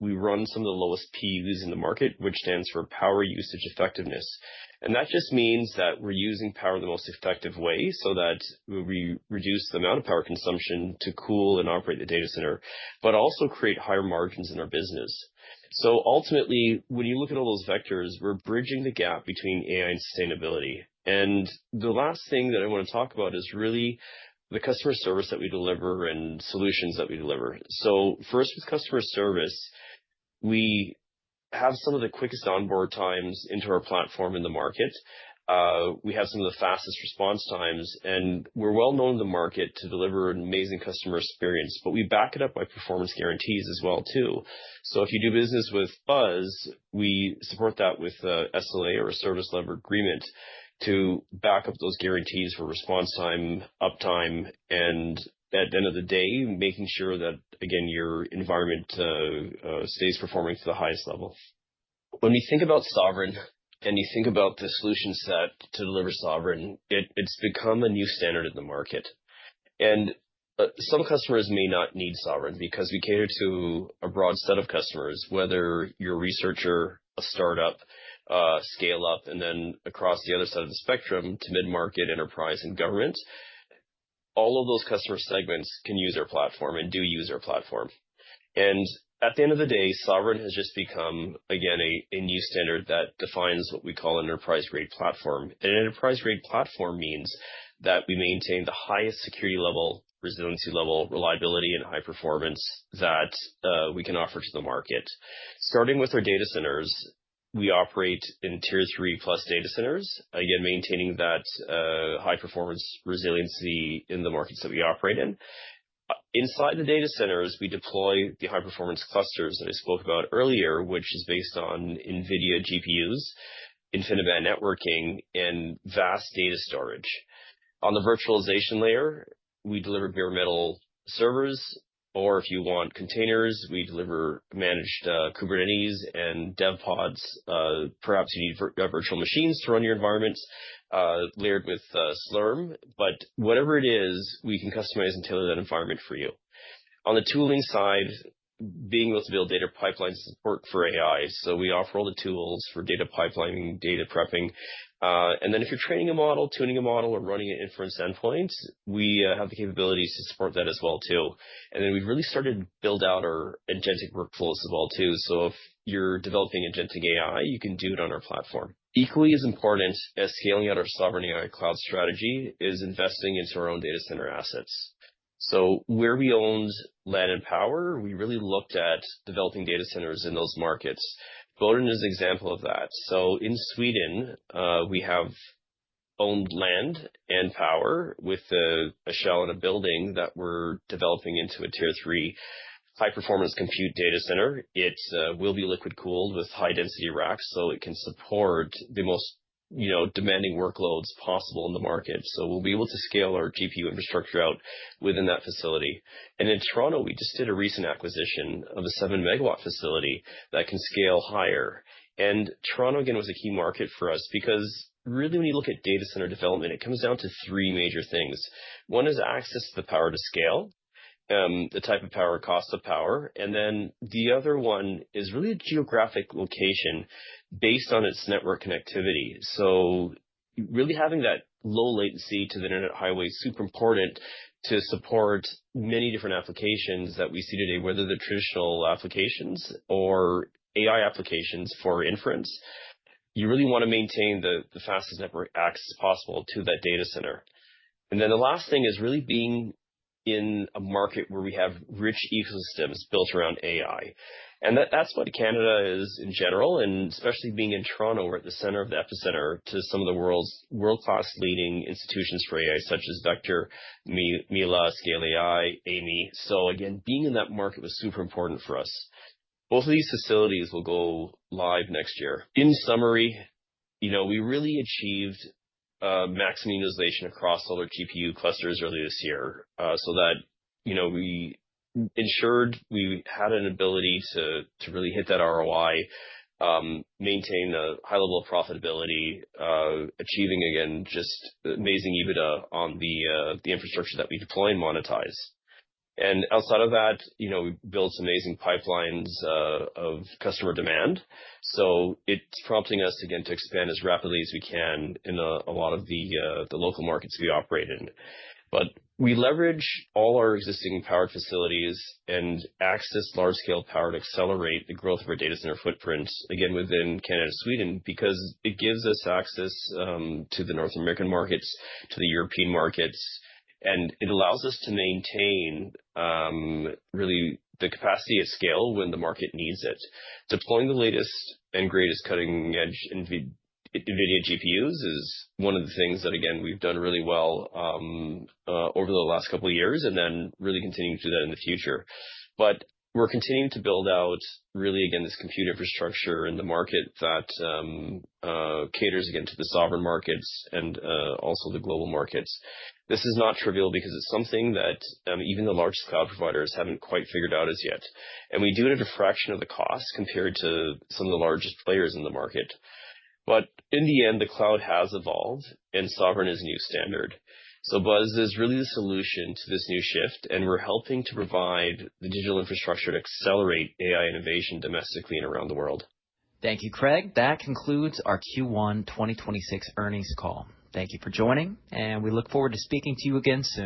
We run some of the lowest PUEs in the market, which stands for Power Usage Effectiveness. That just means that we're using power in the most effective way so that we reduce the amount of power consumption to cool and operate the data center, but also create higher margins in our business. Ultimately, when you look at all those vectors, we're bridging the gap between AI and sustainability. The last thing that I want to talk about is really the customer service that we deliver and solutions that we deliver. First, with customer service, we have some of the quickest onboard times into our platform in the market. We have some of the fastest response times, and we're well known in the market to deliver an amazing customer experience, but we back it up by performance guarantees as well, too, so if you do business with BUZZ, we support that with an SLA or a Service Level Agreement to back up those guarantees for response time, uptime, and at the end of the day, making sure that, again, your environment stays performing to the highest level. When we think about sovereign and you think about the solution set to deliver sovereign, it's become a new standard in the market, and some customers may not need sovereign because we cater to a broad set of customers, whether you're a researcher, a startup, scale-up, and then across the other side of the spectrum to mid-market, enterprise, and government. All of those customer segments can use our platform and do use our platform. And at the end of the day, sovereign has just become, again, a new standard that defines what we call an enterprise-grade platform. An enterprise-grade platform means that we maintain the highest security level, resiliency level, reliability, and high performance that we can offer to the market. Starting with our data centers, we operate in Tier 3+ data centers, again, maintaining that high performance resiliency in the markets that we operate in. Inside the data centers, we deploy the high performance clusters that I spoke about earlier, which is based on NVIDIA GPUs, InfiniBand networking, and VAST Data storage. On the virtualization layer, we deliver bare metal servers, or if you want containers, we deliver managed Kubernetes and DevPods. Perhaps you need virtual machines to run your environments layered with Slurm, but whatever it is, we can customize and tailor that environment for you. On the tooling side, being able to build data pipeline support for AI, so we offer all the tools for data pipeline, data prepping, and then if you're training a model, tuning a model, or running an inference endpoint, we have the capabilities to support that as well, too, and then we've really started to build out our agentic workflows as well, too, so if you're developing agentic AI, you can do it on our platform. Equally as important as scaling out our sovereign AI cloud strategy is investing into our own data center assets, so where we owned land and power, we really looked at developing data centers in those markets. Boden is an example of that. In Sweden, we have owned land and power with a shell and a building that we're developing into a Tier 3 high-performance compute data center. It will be liquid-cooled with high-density racks, so it can support the most, you know, demanding workloads possible in the market. We'll be able to scale our GPU infrastructure out within that facility. In Toronto, we just did a recent acquisition of a seven-megawatt facility that can scale higher. Toronto, again, was a key market for us because really, when you look at data center development, it comes down to three major things. One is access to the power to scale, the type of power, cost of power, and then the other one is really a geographic location based on its network connectivity. So really having that low latency to the internet highway is super important to support many different applications that we see today, whether they're traditional applications or AI applications for inference. You really want to maintain the fastest network access possible to that data center. And then the last thing is really being in a market where we have rich ecosystems built around AI. And that's what Canada is in general, and especially being in Toronto, we're at the center of the epicenter to some of the world's world-class leading institutions for AI, such as Vector, Mila, Scale AI, Amii. So again, being in that market was super important for us. Both of these facilities will go live next year. In summary, you know, we really achieved maximum utilization across all our GPU clusters earlier this year so that, you know, we ensured we had an ability to really hit that ROI, maintain a high level of profitability, achieving, again, just amazing EBITDA on the infrastructure that we deploy and monetize, and outside of that, you know, we built some amazing pipelines of customer demand, so it's prompting us, again, to expand as rapidly as we can in a lot of the local markets we operate in, but we leverage all our existing powered facilities and access large scale power to accelerate the growth of our data center footprint, again, within Canada and Sweden because it gives us access to the North American markets, to the European markets, and it allows us to maintain really the capacity at scale when the market needs it. Deploying the latest and greatest cutting edge NVIDIA GPUs is one of the things that, again, we've done really well over the last couple of years and then really continuing to do that in the future, but we're continuing to build out really, again, this compute infrastructure in the market that caters, again, to the sovereign markets and also the global markets. This is not trivial because it's something that even the largest cloud providers haven't quite figured out as yet, and we do it at a fraction of the cost compared to some of the largest players in the market, but in the end, the cloud has evolved and sovereign is a new standard, so BUZZ is really the solution to this new shift, and we're helping to provide the digital infrastructure to accelerate AI innovation domestically and around the world. Thank you, Craig. That concludes our Q1 2026 earnings call. Thank you for joining, and we look forward to speaking to you again soon.